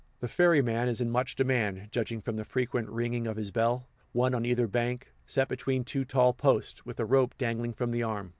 The ferryman is in much demand, judging from the frequent ringing of his bell, one on either bank, set between two tall posts, with a rope dangling from the arm.